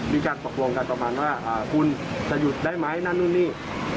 มีการตกลงกันประมาณว่าคุณจะหยุดได้ไหมนั่นนู่นนี่